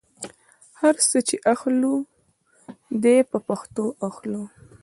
هر ساه چې اخلو دې په پښتو اخلو.